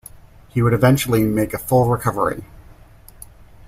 He would eventually make a full recovery.